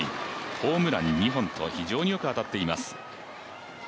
ホームラン２本と非常によく当たっています。